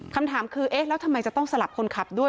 คำถามคือเอ๊ะแล้วทำไมจะต้องสลับคนขับด้วย